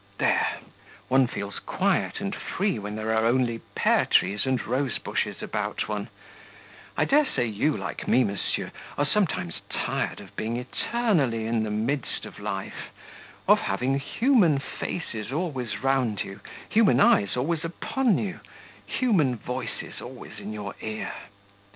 "There, one feels quiet and free when there are only pear trees and rose bushes about one; I dare say you, like me, monsieur, are sometimes tired of being eternally in the midst of life; of having human faces always round you, human eyes always upon you, human voices always in your ear.